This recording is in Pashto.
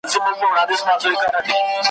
خدای دي په حیا کي را زړه که پر ما ګراني `